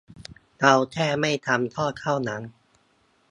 เราแค่ไม่ทำ ก็เท่านั้น